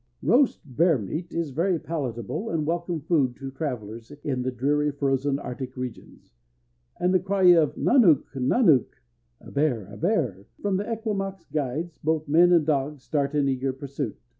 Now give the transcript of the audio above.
Roast bear meat is very palatable and welcome food to travellers in the dreary frozen arctic regions, and at the cry of "Nannook! nannook!" ("A bear! a bear!") from the Esquimaux guides, both men and dogs start in eager pursuit.